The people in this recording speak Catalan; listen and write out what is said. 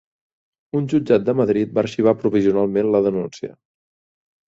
Un jutjat de Madrid va arxivar provisionalment la denúncia.